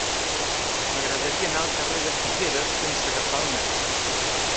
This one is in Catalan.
M'agradaria anar al carrer de Figueres sense agafar el metro.